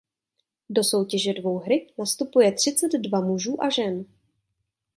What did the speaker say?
Do soutěže dvouhry nastupuje třicet dva mužů a žen.